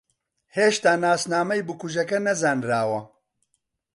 ھێشتا ناسنامەی بکوژەکە نەزانراوە.